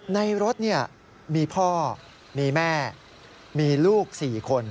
ในรถมีพ่อมีแม่มีลูก๔คน